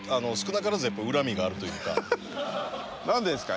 何でですか。